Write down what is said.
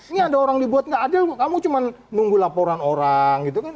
ini ada orang dibuat gak adil kamu cuma nunggu laporan orang gitu kan